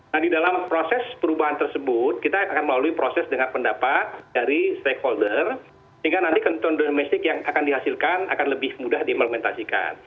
nah di dalam proses perubahan tersebut kita akan melalui proses dengan pendapat dari stakeholder sehingga nanti kenton domestik yang akan dihasilkan akan lebih mudah diimplementasikan